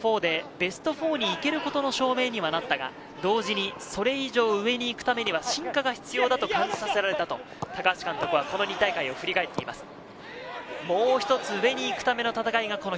ベスト４に行けることの証明にはなったが、同時にそれ以上、上に行くためには進化が必要だと感じられたと、高橋監督はこの２大会を振り返っています。